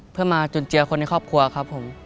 เพื่อมาจุนเจือคนในครอบครัวครับผม